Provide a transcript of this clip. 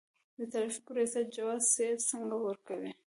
د ترافیکو ریاست جواز سیر څنګه ورکوي؟